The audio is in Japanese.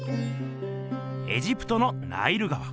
エジプトのナイル川。